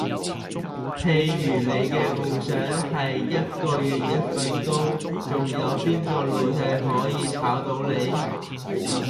比如你嘅夢想係一個月換一份工，仲有邊個老細可以炒到你?